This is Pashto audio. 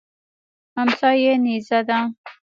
امسا یې نیزه ده.